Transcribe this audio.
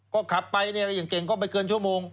ก็ขับไปเนี่ยอย่างเก่งก็ไม่เกินชั่วโมง